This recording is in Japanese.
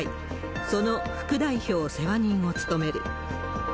その副代表世話人を務める。